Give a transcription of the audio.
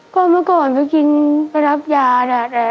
ก็เมื่อก่อนไปกินไปรับยานะ